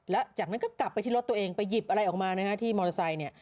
แล้วจากนั้นก็กลับไปที่รถตัวเองไปหยิบอะไรออกมานะฮะที่มอเตอร์ไซค์เนี่ย